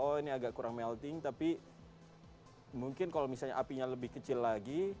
oh ini agak kurang melting tapi mungkin kalau misalnya apinya lebih kecil lagi